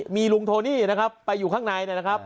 มีลุงโทนี่นะครับไปอยู่ข้างในนะครับ